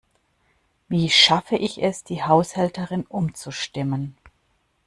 Wie schaffe ich es, die Haushälterin umzustimmen?